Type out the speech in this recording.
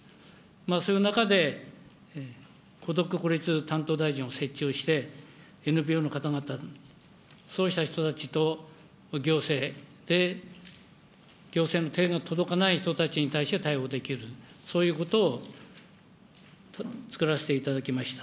そういう中で、孤独孤立担当大臣を設置をして、ＮＰＯの方々、そうした人たちと行政で、行政の手が届かない人たちに対して対応できる、そういうことを作らせていただきました。